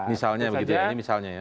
misalnya begitu ya ini misalnya ya